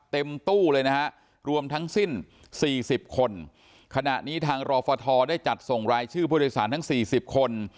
เต็มตู้เลยนะฮะรวมทั้งสิ้นสี่สิบคนขณะนี้ทางรอฟทได้จัดส่งรายชื่อผู้โดยสารทั้งสี่สิบคน